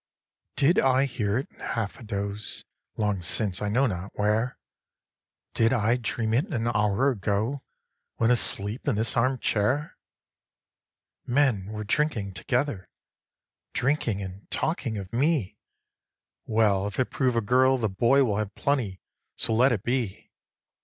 Did I hear it half in a doze Long since, I know not where? Did I dream it an hour ago, When asleep in this arm chair? 2. Men were drinking together, Drinking and talking of me; 'Well, if it prove a girl, the boy Will have plenty: so let it be.'